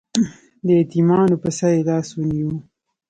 د یتیمانو په سر یې لاس ونیو